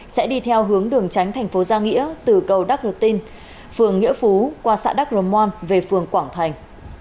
sẽ đi theo hướng đường tránh thành phố giang nghĩa từ cầu đắk lực tinh phường nghĩa phú qua xã đắk rồn môn về phường quảng thành